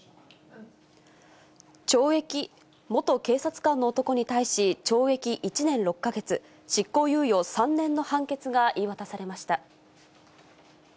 元警察官の男に対し、懲役１年６か月、執行猶予３年の判決が言い渡されました。